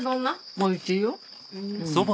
おいしいよ。